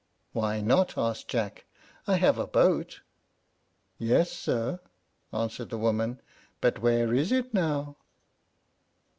"Why not?" asked Jack. "I have a boat." "Yes, sir," answered the woman; "but where is it now?"